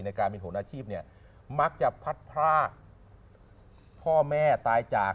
การเป็นหนอาชีพเนี่ยมักจะพัดพรากพ่อแม่ตายจาก